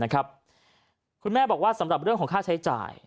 คุณแม่บอกว่าสำหรับเรื่องของค่าใช้จ่าย